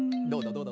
どうだ？